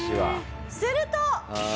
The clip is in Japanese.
すると。